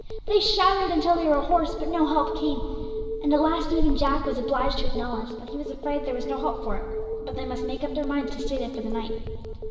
They shouted until they were hoarse, but no help came, and at last even Jack was obliged to acknowledge that he was afraid there was no help for it, but that they must make up their minds to stay there for the night.